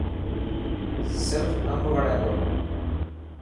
سرف امب وڻي ٿو.